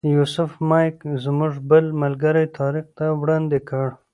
یوسف مایک زموږ بل ملګري طارق ته وړاندې کړ.